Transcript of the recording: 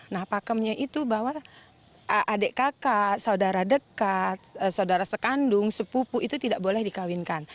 nah pakemnya itu bahwa adik kakak saudara dekat saudara sekandung sepupu itu tidak boleh dikawinkan